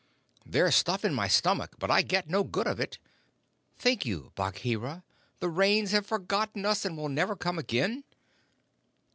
"There is stuff in my stomach, but I get no good of it. Think you, Bagheera, the Rains have forgotten us and will never come again?"